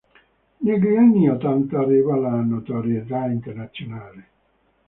Negli anni ottanta arriva la notorietà internazionale.